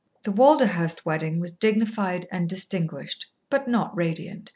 The Walderhurst wedding was dignified and distinguished, but not radiant.